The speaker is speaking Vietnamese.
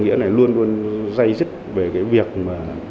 nghĩa này luôn luôn dây dứt về cái việc mà